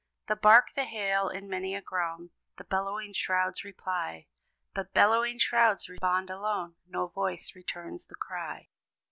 The bark they hail; in many a groan The bellowing shrouds reply; But bellowing shrouds respond alone; No voice returns the cry.